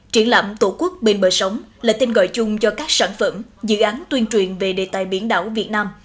triển lãm tổ quốc bên bờ sống là tên gọi chung cho các sản phẩm dự án tuyên truyền về đề tài biển đảo việt nam